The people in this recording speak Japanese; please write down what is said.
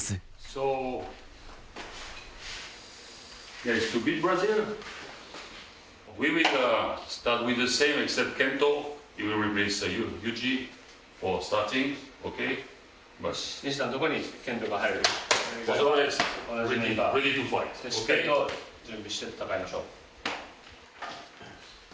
しっかりと準備して戦いましょう。